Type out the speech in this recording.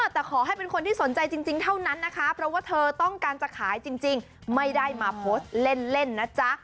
แต่ขอให้เป็นคนที่สนใจจริงเท่านั้นนะคะเพราะว่าเธอต้องการจะขายจริงไม่ได้มาโพสต์เล่นนะจ๊ะ